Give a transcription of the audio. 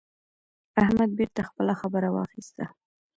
احمد بېرته خپله خبره واخيسته.